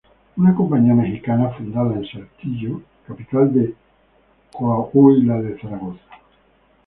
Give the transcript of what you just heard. Una compañía mexicana fundada en Saltillo, capital de Coahuila de Zaragoza.